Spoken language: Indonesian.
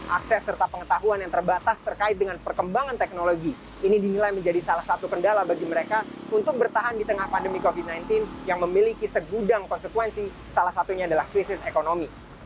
akses serta pengetahuan yang terbatas terkait dengan perkembangan teknologi ini dinilai menjadi salah satu kendala bagi mereka untuk bertahan di tengah pandemi covid sembilan belas yang memiliki segudang konsekuensi salah satunya adalah krisis ekonomi